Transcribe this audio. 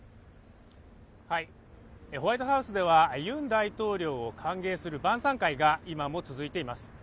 ホワイトハウスではユン大統領を歓迎する晩餐会が今も続いています。